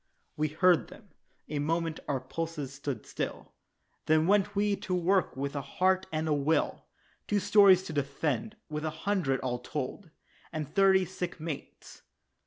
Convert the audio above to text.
We heard them, a moment our pulses stood still, Then went we to work with a heart and a will Two stores to defend with a hundred, all told, And thirty sick mates.